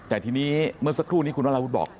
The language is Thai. แต่ทีนี้เมื่อสักครู่นี้คุณวราวุฒิบอก